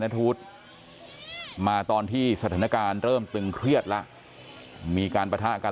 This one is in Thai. นัทธวุฒิมาตอนที่สถานการณ์เริ่มตึงเครียดแล้วมีการปะทะกัน